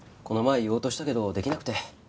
この前言おうとしたけどできなくて。